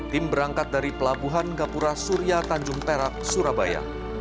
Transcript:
tim berangkat dari pelabuhan gapura surya tanjung perak surabaya